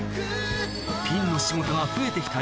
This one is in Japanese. ピンの仕事が増えて来た